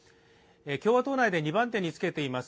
共和党内で二番手につけています